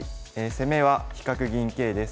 「攻めは飛角銀桂」です。